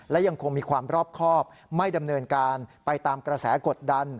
และยังคงมีความรอบครอบไม่ดำเนินการไปตามกระแสกดดัน